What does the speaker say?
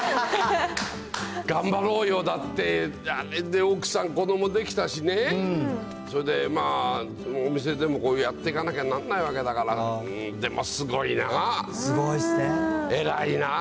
がんばろうよ、だって、奥さん、子どもできたしね、それでお店でもやっていかなきゃなんないわけだから、でもすごいすごいっすね。